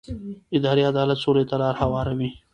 اداري عدالت سولې ته لاره هواروي